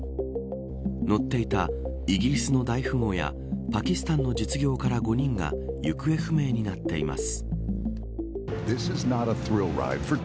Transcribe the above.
乗っていたイギリスの大富豪やパキスタンの実業家ら５人が行方不明になっています。